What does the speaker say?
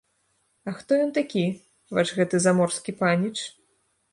А хто ён такі, ваш гэты заморскі паніч?